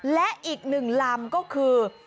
และอีกหนึ่งลำก็คือ